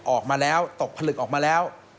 ออกมาแล้วตกผลึกออกมาแล้ว